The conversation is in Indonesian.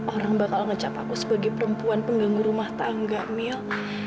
orang bakal ngecap aku sebagai perempuan pengganggu rumah tangga mil